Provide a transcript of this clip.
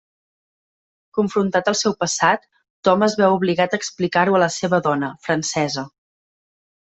Confrontat al seu passat, Tom es veu obligat a explicar-ho a la seva dona, francesa.